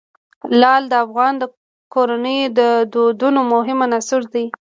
لعل د افغان کورنیو د دودونو مهم عنصر دی.